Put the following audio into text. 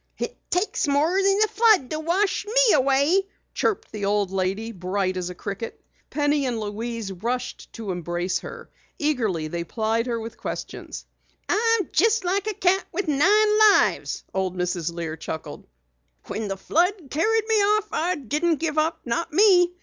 "It takes more than a flood to wash me away!" chirped the old lady, bright as a cricket. Penny and Louise rushed to embrace her. Eagerly they plied her with questions. "I'm jest like a cat with nine lives," old Mrs. Lear chuckled. "When the flood carried me off, I didn't give up not me.